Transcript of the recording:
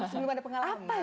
sebelum ada pengalaman